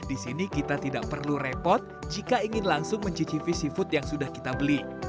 di sini kita tidak perlu repot jika ingin langsung mencicipi seafood yang sudah kita beli